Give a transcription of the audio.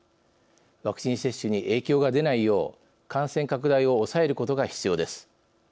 ワクチン接種に影響が出ないよう感染拡大を抑えることが必要です。